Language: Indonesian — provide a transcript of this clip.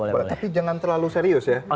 tapi jangan terlalu serius ya